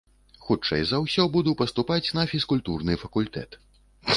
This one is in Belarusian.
Хутчэй за ўсё, буду паступаць на фізкультурны факультэт.